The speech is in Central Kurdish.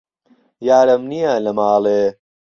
یارم نیە لە ماڵێ